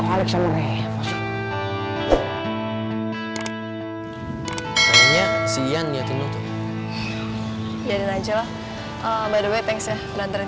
akhirnya si yian yakin untuk jadikan jalan by the way thanks ya berantaran